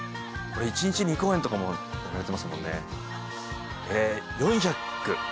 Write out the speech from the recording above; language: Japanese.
一日２公演とかもやられてますもんね。